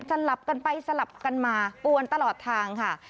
หลับกันไปสลับกันมาปวนตลอดทางค่ะ